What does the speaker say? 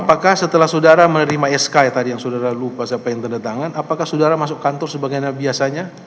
apakah setelah saudara menerima sk tadi yang saudara lupa siapa yang tanda tangan apakah saudara masuk kantor sebagaina biasanya